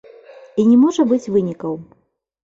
І не можа быць вынікаў.